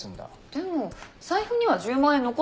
でも財布には１０万円残ってましたよ。